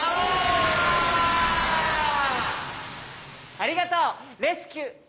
ありがとうレスキュー！